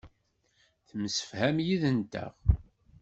Temsefham yid-nteɣ.